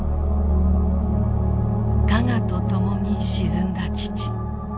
「加賀」とともに沈んだ父。